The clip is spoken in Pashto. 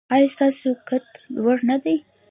ایا ستاسو قد لوړ نه دی؟